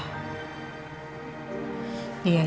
dia malah balik marah